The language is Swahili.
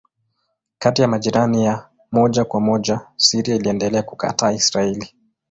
Kati ya majirani ya moja kwa moja Syria iliendelea kukataa Israeli.